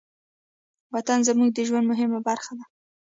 وطن زموږ د ژوند مهمه برخه ده.